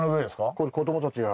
これ子どもたちが。